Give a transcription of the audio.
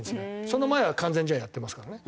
その前は完全試合やってますからね。